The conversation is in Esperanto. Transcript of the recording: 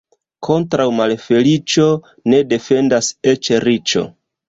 Kontraŭ malfeliĉo ne defendas eĉ riĉo.